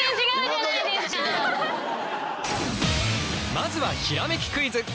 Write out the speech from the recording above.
まずはひらめきクイズ！